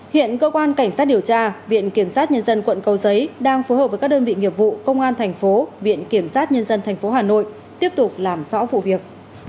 hiện cơ quan cảnh sát điều tra viện kiểm sát nhân dân quận cầu giấy đang phối hợp với các đơn vị nghiệp vụ công an thành phố viện kiểm sát nhân dân tp hà nội tiếp tục làm rõ vụ việc